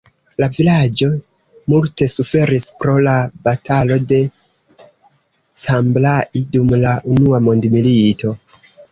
La vilaĝo multe suferis pro la batalo de Cambrai dum la Unua mondmilito.